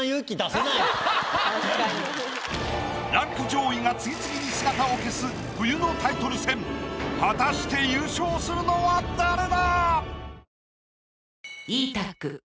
・確かに・ランク上位が次々に姿を消す冬のタイトル戦。果たして優勝するのは誰だ？